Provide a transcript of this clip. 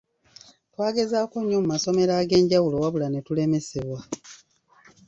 Twagezaako nnyo mu masomero ag’enjawulo wabula ne tulemesebwa.